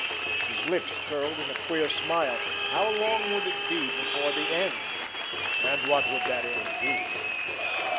His lips curled in a queer smile. How long would it be before the end? And what would that end be?